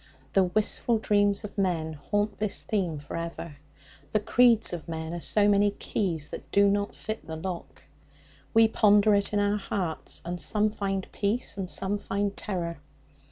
The wistful dreams of men haunt this theme for ever; the creeds of men are so many keys that do not fit the lock. We ponder it in our hearts, and some find peace, and some find terror.